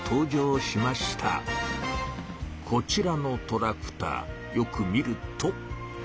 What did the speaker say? こちらのトラクターよく見ると。